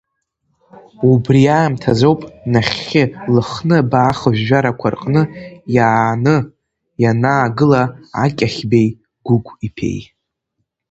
Убри аамҭазоуп, нахьхьи Лыхны абаа хыжәжәарақәа рҟны иааны ианаагыла Акьахьбеи Гәыгә-иԥеи.